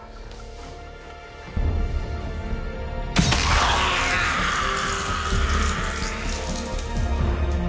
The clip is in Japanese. ああーっ！